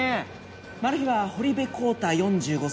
マルヒは堀部康太４５歳。